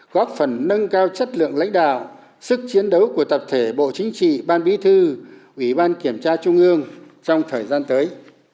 góp phần nâng cao chất lượng lãnh đạo sức chiến đấu của tập thể bộ chính trị ban bí thư ủy ban kiểm tra trung ương trong thời gian tới